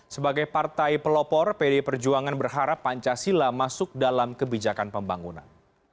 sebagai partai pelopor pd perjuangan berharap pancasila masuk dalam kebijakan pembangunan